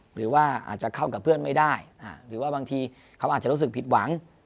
หรือว่าอาจจะเข้ากับเพื่อนไม่ได้หรือว่าบางทีเขาอาจจะรู้สึกผิดหวัง